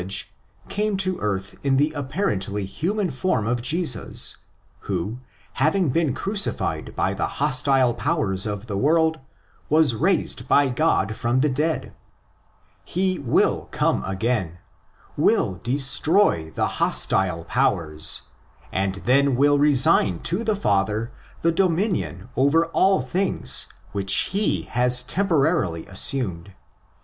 The Son, according to the newly revealed '' know ledge,' came to earth in the apparently human form of Jesus, who, having been crucified by the hostile powers of the world, was raised by God from the dead. He will come again ; will destroy the hostile powers ; and then will resign to the Father the dominion over all things which he has temporarily assumed.